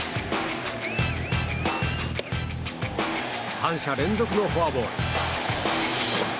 ３者連続のフォアボール。